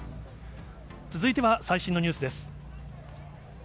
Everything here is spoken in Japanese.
続いては最新のニュースです。